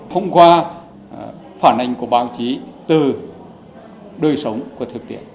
thông qua phản ảnh của báo chí từ đời sống của thực tiễn